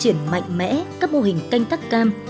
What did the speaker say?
để phát triển mạnh mẽ các mô hình canh tắc cam